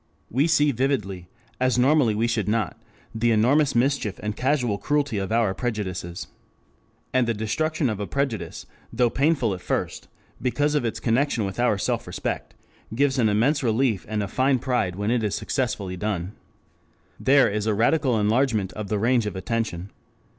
We see vividly, as normally we should not, the enormous mischief and casual cruelty of our prejudices. And the destruction of a prejudice, though painful at first, because of its connection with our self respect, gives an immense relief and a fine pride when it is successfully done. There is a radical enlargement of the range of attention.